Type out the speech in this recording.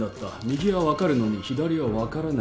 右は分かるのに左は分からない。